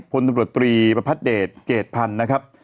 พลตำรวจตรีประพัทธเดชเกรดพันธ์นะครับ